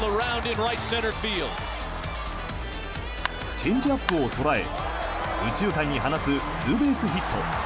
チェンジアップを捉え右中間に放つツーベースヒット。